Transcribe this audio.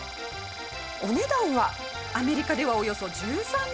お値段はアメリカではおよそ１３ドル。